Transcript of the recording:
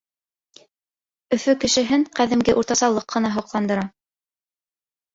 Өфө кешеһен ҡәҙимге уртасалыҡ ҡына һоҡландыра.